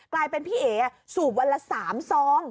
กลายเป็นพี่เอ๋สูบวันละ๓ซอง